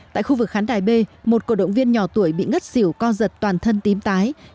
tại khu vực khán đài b một cổ động viên nhỏ tuổi bị ngất xỉu co giật toàn thân tím tái